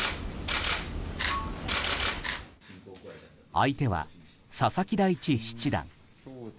相手は佐々木大地七段。